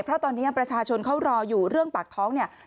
เพราะตอนนี้ประชาชนเขารออยู่เรื่องปากท้องเนี่ย